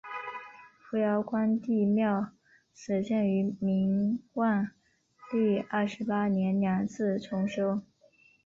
扶摇关帝庙始建于明万历二十八年两次重修。